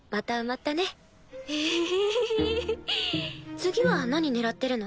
次は何狙ってるの？